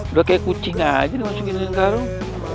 udah kaya kucing aja nih langsung di dalam karung